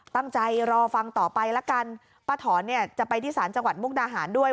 ตั้งใจรอฟังต่อไปละกันป้าถอนเนี่ยจะไปที่ศาลจังหวัดมุกดาหารด้วย